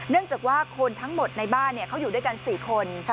จากว่าคนทั้งหมดในบ้านเขาอยู่ด้วยกัน๔คน